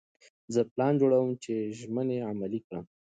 زه پلان جوړوم چې ژمنې عملي کړم.